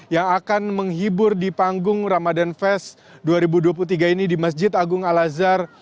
yang akan menghibur di panggung ramadan fest dua ribu dua puluh tiga ini di masjid agung al azhar